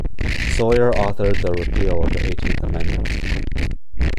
Sawyer authored the repeal of the Eighteenth Amendment.